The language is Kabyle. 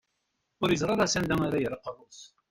Ur yeẓri ara s anda ara yerr aqerru-s.